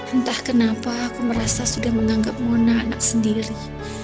entah kenapa aku merasa sudah menganggap mona anak sendiri